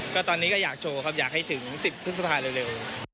ก็ตอนนี้ก็อยากโชว์ครับอยากให้ถึง๑๐พฤษภาเร็ว